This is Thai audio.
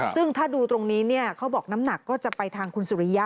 ซึ่งถ้าดูตรงนี้เขาบอกน้ำหนักก็จะไปทางคุณสุริยะ